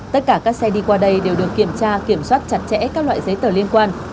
tất cả các xe đi qua đây đều được kiểm tra kiểm soát chặt chẽ các loại giấy tờ liên quan